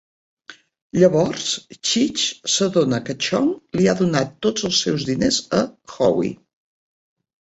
Llavors, Cheech s'adona que Chong li ha donat tot els seus diners a Howie.